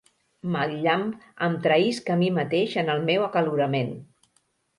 Mal llamp! Em traïsc a mi mateix en el meu acalorament!